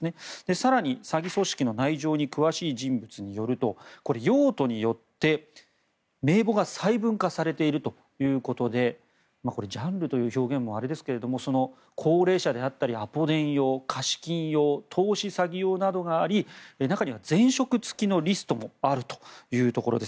更に、詐欺組織の内情に詳しい人物によると用途によって名簿が細分化されているということでジャンルという表現もあれですが高齢者であったりアポ電用貸し金用、投資詐欺用などがあり中には前職付きのリストもあるというところです。